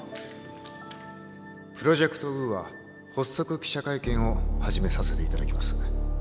プロジェクト・ウーア発足記者会見を始めさせていただきます。